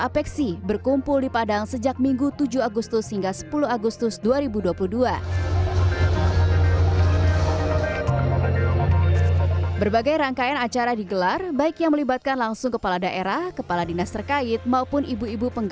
pemerintah kota padang